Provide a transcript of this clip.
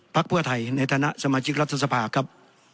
เพื่อไทยในฐานะสมาชิกรัฐสภาครับ